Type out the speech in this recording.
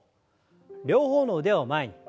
両方の腕を前に。